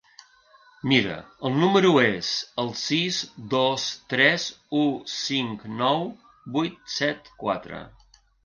Mira el número és el sis dos tres u cinc nou vuit set quatre.